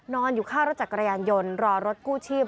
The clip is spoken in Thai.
อยู่ข้างรถจักรยานยนต์รอรถกู้ชีพ